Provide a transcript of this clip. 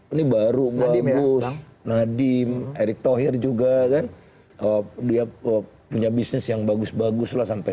ini baru bagus nadiem erick thohir juga kan oh dia pop punya bisnis yang bagus bagus lah sampai